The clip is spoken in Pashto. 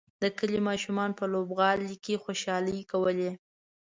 د کلي ماشومانو په لوبغالي کې خوشحالۍ کولې.